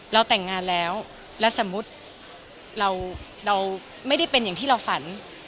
เราแต่งงานแล้วและสมมุติเราไม่ได้เป็นอย่างที่เราฝัน